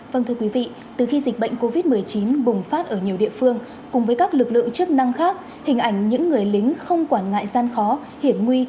vâng thưa quý vị từ khi dịch bệnh covid một mươi chín bùng phát ở nhiều địa phương cùng với các lực lượng chức năng khác hình ảnh những người lính không quản ngại gian khó hiểm nguy